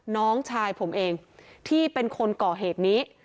น้องชายผมเองที่เป็นคนก่อเหตุนี้